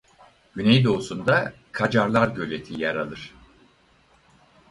Güneydoğusunda Kacarlar Göleti yer alır.